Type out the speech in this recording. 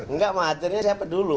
enggak menghadirnya siapa dulu